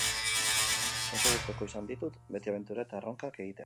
Oso gustuko izan ditut beti abentura eta erronkak egitea.